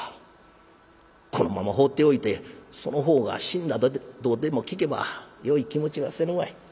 このまま放っておいてその方が死んだとでも聞けばよい気持ちがせぬわい。